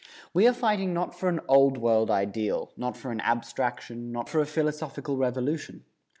We are fighting not for an Old World ideal, not for an abstraction, not for a philosophical revolution.